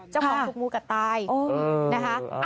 เจ้าหอมธุกงูกัตตายนะคะ